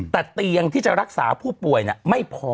แต่เตียงที่จะรักษาผู้ป่วยไม่พอ